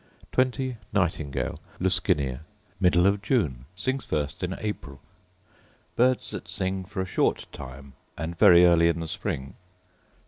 20. Nightingale, Luscinia: Middle of June: sings first in April. Birds that sing for a short tune, and very early in the spring: 21.